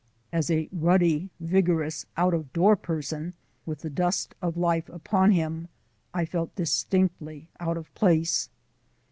As a ruddy, vigorous, out of door person, with the dust of life upon him, I felt distinctly out of place.